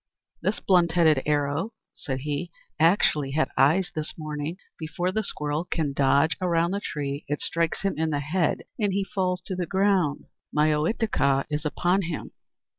"This blunt headed arrow," said he, "actually had eyes this morning. Before the squirrel can dodge around the tree it strikes him in the head, and, as he falls to the ground, my Ohitika is upon him."